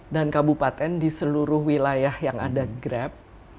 dan kabupaten di seluruh wilayah yang ada grab